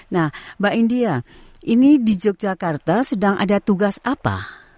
nah mbak india ini di yogyakarta sedang ada tugas apa